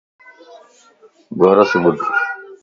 غور سين ٻڌ